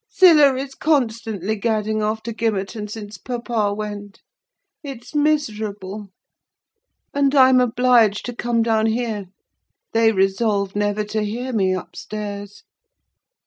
"Zillah is constantly gadding off to Gimmerton since papa went: it's miserable! And I'm obliged to come down here—they resolved never to hear me upstairs."